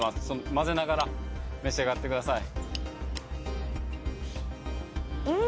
混ぜながら召し上がってくださいうん！